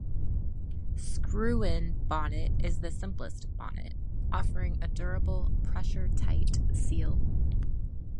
Screw-in bonnet is the simplest bonnet, offering a durable, pressure-tight seal.